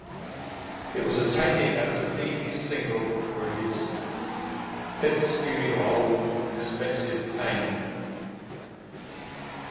It was attended as the lead single for his fifth studio album Expensive Pain.